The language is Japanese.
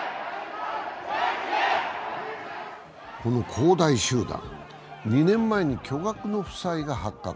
恒大集団は２年前に巨額の負債が発覚。